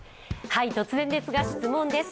突然ですが質問です。